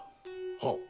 はっ。